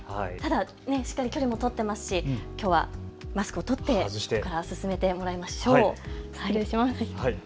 しっかり距離も取っていますしきょうはマスクを取ってここから進めてまいりましょう。